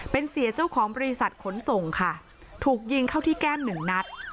เป็นเสียเจ้าของบริษัทขนส่งค่ะถูกยิงเข้าที่แก้มหนึ่งนัด